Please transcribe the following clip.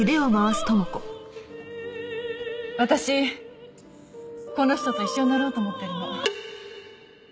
私この人と一緒になろうと思ってるの。